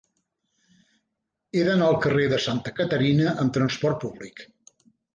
He d'anar al carrer de Santa Caterina amb trasport públic.